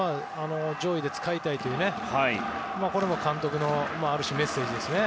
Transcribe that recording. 上位で使いたいという監督のある種、メッセージですよね。